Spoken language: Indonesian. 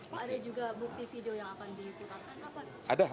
pak ada juga bukti video yang akan diikutakan kapan